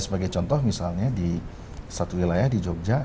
sebagai contoh misalnya di satu wilayah di jogja